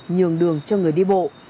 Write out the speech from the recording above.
nhường đường cho người đi bộ